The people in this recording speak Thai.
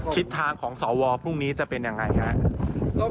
คริสทางของสองวอนพรุ่งนี้จะเป็นอย่างไรครับ